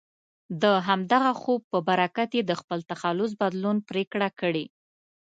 د همدغه خوب په برکت یې د خپل تخلص بدلون پرېکړه کړې.